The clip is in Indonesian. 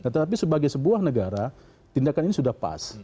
tetapi sebagai sebuah negara tindakan ini sudah pas